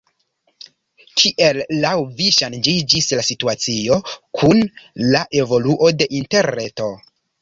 Kiel laŭ vi ŝanĝiĝis la situacio kun la evoluo de interreto?